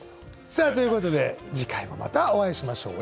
さあということで次回もまたお会いしましょう。